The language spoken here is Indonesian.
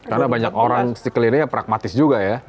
karena banyak orang si keliru yang pragmatis juga ya